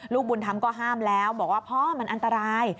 ลูกบุญธรรมก็ห้ามแล้วบอกว่าพ่อมันอันตราย